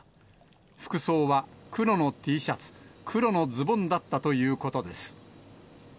服装は黒のＴシャツ、黒のズボンだったということです。